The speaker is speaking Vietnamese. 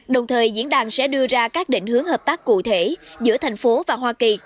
đồng thời diễn đàn sẽ đưa ra các định hướng hợp tác cụ thể giữa thành phố và hoa kỳ